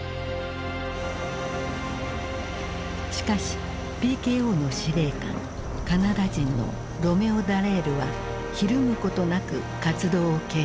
しかしＰＫＯの司令官カナダ人のロメオ・ダレールはひるむことなく活動を継続。